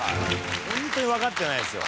ホントにわかってないですよ。